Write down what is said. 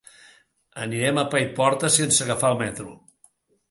Anirem a Paiporta sense agafar el metro.